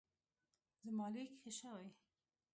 زما لیک ښه شوی.